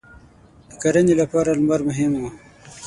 • د کرنې لپاره لمر مهم و.